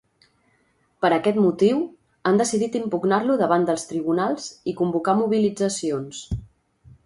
Per aquest motiu, han decidit impugnar-lo davant els tribunals i convocar mobilitzacions.